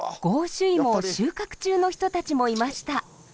ゴウシュイモを収穫中の人たちもいました。